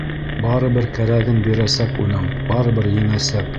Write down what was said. Барыбер кәрәген бирәсәк уның, барыбер еңәсәк!